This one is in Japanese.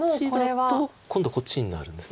そっちだと今度こっちになるんです。